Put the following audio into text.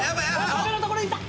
岡部のところに行った！